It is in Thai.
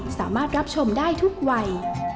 สามารถรับชมได้ทุกวัย